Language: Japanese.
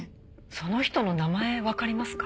その人の名前わかりますか？